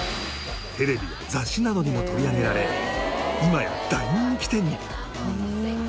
テレビや雑誌などにも取り上げられ今や大人気店に！